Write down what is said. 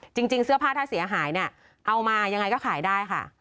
จริงเสื้อผ้าถ้าเสียหายเนี่ยเอามายังไงก็ขายได้ค่ะ